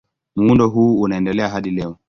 Muundo huu unaendelea hadi leo.